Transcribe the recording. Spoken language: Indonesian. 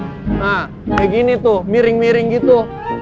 nah kayak gini tuh miring miring gitu